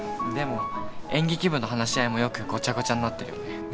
でも演劇部の話し合いもよくごちゃごちゃになってるよね。